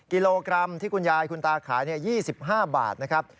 กิโลกรัมที่คุณยายคุณตาขาย๒๕บาทนะครับ